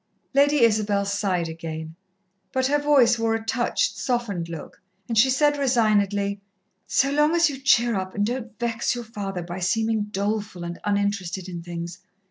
Lady Isabel sighed again, but her face wore a touched, softened look, and she said resignedly, "So long as you cheer up, and don't vex your father by seeming doleful and uninterested in things....